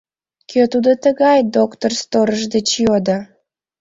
— Кӧ тудо тыгай? — доктор сторож деч йодо.